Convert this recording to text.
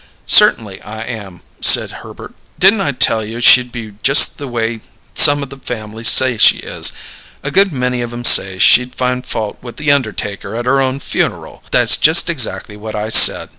"Cert'nly I am," said Herbert. "Didn't I tell you she'd be just the way some the family say she is? A good many of 'em say she'd find fault with the undertaker at her own funeral. That's just exactly what I said!"